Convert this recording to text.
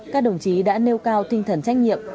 các đồng chí đã nêu cao tinh thần trách nhiệm